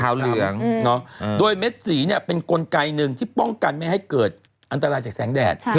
ถ้ามีเม็ดสีเป็นกลไกนึงที่ป้องกันไม่ให้เกิดอันตรายจากแสงแดด